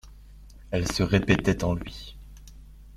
Elles se répétaient en lui.